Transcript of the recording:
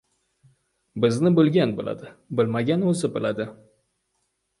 • Bizni bilgan biladi, bilmagan o‘zi biladi.